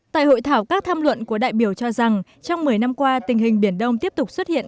tại hội thảo các tham luận của đại biểu cho rằng trong một mươi năm qua tình hình biển đông tiếp tục xuất hiện